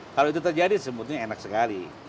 kalau itu terjadi sebetulnya enak sekali